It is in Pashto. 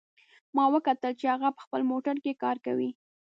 ما وکتل چې هغه په خپل موټر کې کار کوي